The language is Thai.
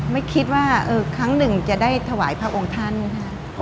ไม่คิดว่าครั้งหนึ่งจะได้ถวายพระองค์ท่านนะคะ